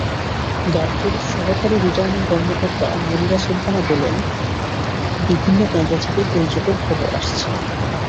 গাবতলীর সহকারী রিটার্নিং কর্মকর্তা মনিরা সুলতানা বলেছেন, বিভিন্ন কেন্দ্র থেকে গোলযোগের খবর আসছে।